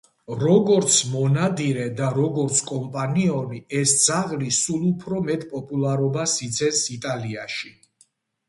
როგორც მონადირე და როგორც კომპანიონი ეს ძაღლი სულ უფრო მეტ პოპულარობას იძენს იტალიაში.